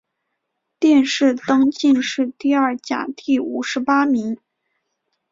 殿试登进士第二甲第五十八名。